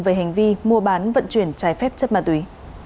về hành vi mua bán vận chuyển trái phép chất ma túy